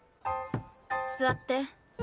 座って。